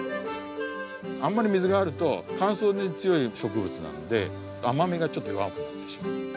あんまり水があると乾燥に強い植物なので甘みがちょっと弱くなってしまう。